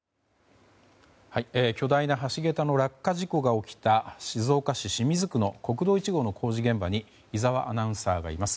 巨大な橋桁の落下事故が起きた静岡市清水区の国道１号の工事現場に井澤アナウンサーがいます。